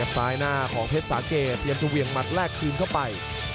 ซ้ายหน้าของเพชรสาเกตเตรียมจะเหวี่ยงหมัดแรกคืนเข้าไป